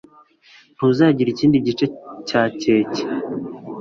Ntuzagira ikindi gice cya keke?